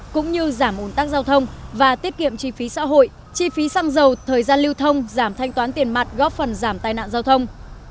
cũng như giảm ồn tắc giao thông và tiết kiệm chi phí xã hội chi phí xăng dầu thời gian lưu thông giảm thanh toán tiền mặt góp phần giảm tai nạn giao thông